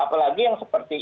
apalagi yang seperti ini